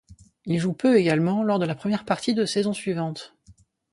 Il joue peu également lors de la première partie de saison suivante.